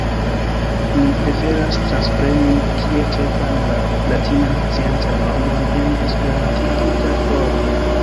Ni preferas transpreni kiel ĉefan la latinan sciencan nomon en esperantigita formo.